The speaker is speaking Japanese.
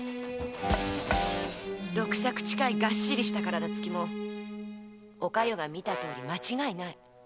六尺近いがっしりした体つきもおかよが見たとおり間違いない。